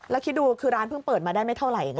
แล้วคิดดูคือร้านเพิ่งเปิดมาได้ไม่เท่าไหร่นะ